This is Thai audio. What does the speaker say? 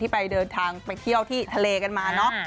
ไปเดินทางไปเที่ยวที่ทะเลกันมาเนอะ